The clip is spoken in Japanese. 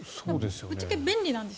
ぶっちゃけ便利なんです。